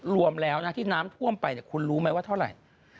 รวมแล้วนะที่น้ำท่วมไปคุณรู้ไหมว่าเท่าไหร่